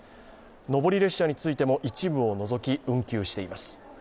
上り列車についても一部を除き運休しています。